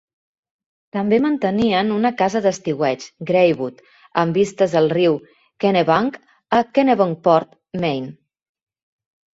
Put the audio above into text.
També mantenien una casa d'estiueig, "Greywood", amb vistes al riu Kennebunk a Kennebunkport, Maine.